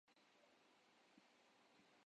ان کا زمانہ خلافت بارہ سال کے عرصہ پر محیط ہے